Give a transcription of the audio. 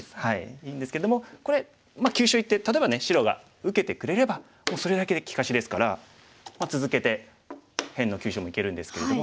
いいんですけれどもこれまあ急所いって例えばね白が受けてくれればもうそれだけで利かしですから続けて辺の急所もいけるんですけれども。